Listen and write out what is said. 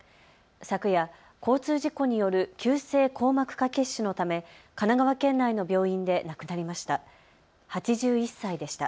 昨夜、交通事故による急性硬膜下血腫のため神奈川県内の病院で亡くなりました。